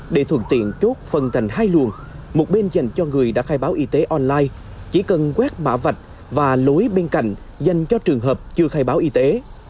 để thuận tiện chốt phân thành hai luồng một bên dành cho người đã khai báo y tế online chỉ cần quét mã vạch và lối bên cạnh dành cho trường hợp chưa khai báo y tế